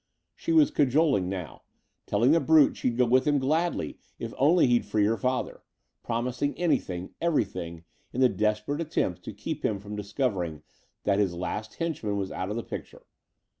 She was cajoling now telling the brute she'd go with him gladly if only he'd free her father; promising anything, everything, in the desperate attempt to keep him from discovering that his last henchman was out of the picture.